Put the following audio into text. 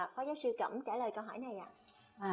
phó giáo sư cẩm trả lời câu hỏi này ạ